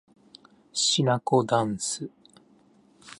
しなこだんす